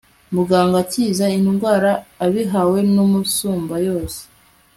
muganga akiza indwara abihawe n'umusumbayose